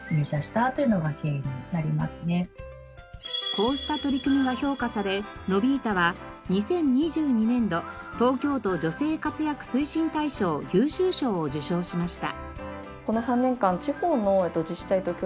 こうした取り組みが評価されノヴィータは２０２２年度東京都女性活躍推進大賞優秀賞を受賞しました。